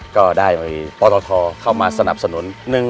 ก็ได้มีปตทเข้ามาสนับสนุน